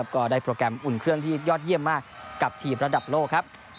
ก็ได้โปรแกรมอุ่นเครื่องที่ยอดเยี่ยมมากกับทีมระดับโลกครับ